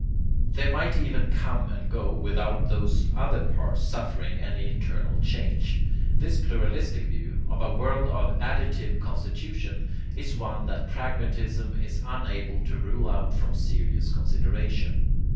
They might even come and go without those other parts suffering any internal change. This pluralistic view, of a world of ADDITIVE constitution, is one that pragmatism is unable to rule out from serious consideration.